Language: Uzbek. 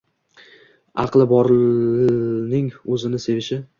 Aqli borning o‘zini sevishi